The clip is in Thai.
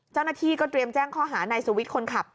เจ้าหน้าที่ก็เตรียมแจ้งข้อหานายสุวิทย์คนขับ